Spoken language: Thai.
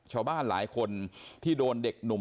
หลายคนที่โดนเด็กหนุ่ม